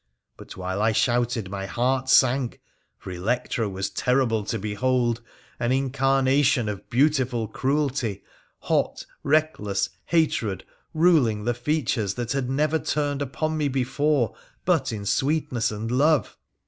But while I shouted my heart sank, for Electra was terrible to behold — an incarnation of beautiful cruelty, hot, reckless hatred ruling the features that had never turned upon me before but in sweetness and love.